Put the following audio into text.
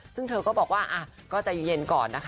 ซึ่งเธอก็บอกว่าก็ใจเย็นก่อนนะคะ